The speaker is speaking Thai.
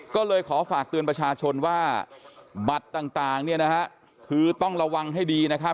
ก็เลยขอฝากเตือนประชาชนว่าบัตรต่างคือต้องระวังให้ดี